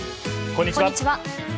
こんにちは。